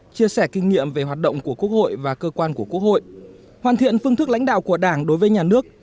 chia sẻ kinh nghiệm về hoạt động của quốc hội và cơ quan của quốc hội hoàn thiện phương thức lãnh đạo của đảng đối với nhà nước